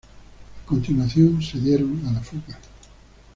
A continuación se dieron a la fuga.